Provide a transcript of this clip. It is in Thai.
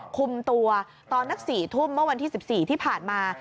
คุมตัวตอนนัก๔ทุ่มเมื่อวันที่๑๔ที่ผ่านมา